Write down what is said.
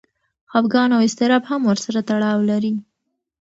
خپګان او اضطراب هم ورسره تړاو لري.